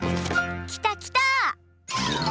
きたきた。